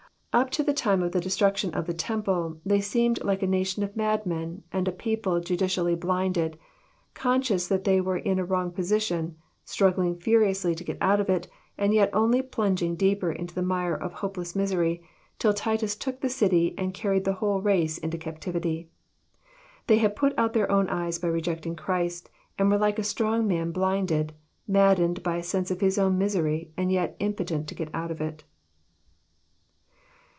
Up to the time of the destruction of the temple^ they seemed like a nation of madmen, and a people judicially blinded »— conscions that they were in a wrong position, strag« gling furiously to get out of it, and yet only plunging deeper into the mire of hopeless misery, till Titus took the city, and carried the whole race into captivity. They had put out their own eyes by rejecting Christ, and were like a strong man blinded, maddened by a sense of his own misery, and yet im potent to get out of it.